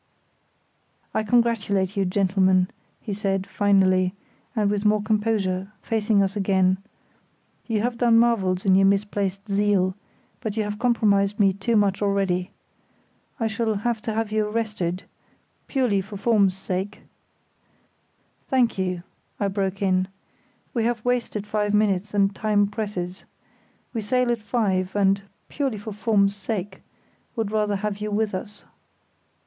"I congratulate you, gentlemen," he said, finally, and with more composure, facing us again, "you have done marvels in your misplaced zeal; but you have compromised me too much already. I shall have to have you arrested—purely for form's sake——" "Thank you," I broke in. "We have wasted five minutes, and time presses. We sail at five, and—purely for form's sake—would rather have you with us."